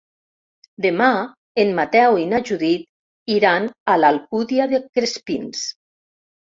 Demà en Mateu i na Judit iran a l'Alcúdia de Crespins.